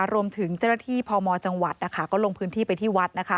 รวมถึงเจ้าหน้าที่พมจังหวัดก็ลงพื้นที่ไปที่วัด